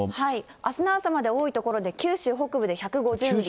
あすの朝まで多い所で九州北部で１５０ミリ。